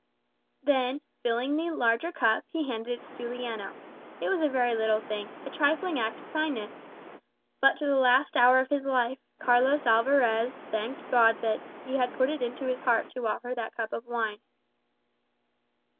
Then filling the larger cup, he handed it to Juliano. It was a very little thing, a trifling act of kindness. But to the last hour of his life, Carlos Alvarez thanked God that he had put it into his heart to offer that cup of wine.